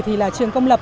trường công lập